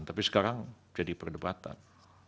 tapi sekarang jadi perdebatan